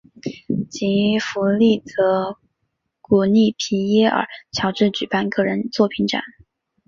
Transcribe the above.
吉福利则鼓励皮耶尔乔治举办个人作品展。